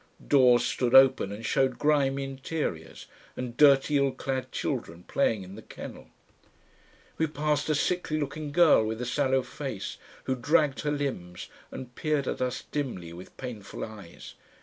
Doors stood open and showed grimy interiors, and dirty ill clad children played in the kennel. We passed a sickly looking girl with a sallow face, who dragged her limbs and peered at us dimly with painful eyes.